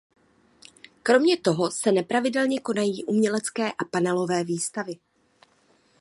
Kromě toho se nepravidelně konají umělecké a panelové výstavy.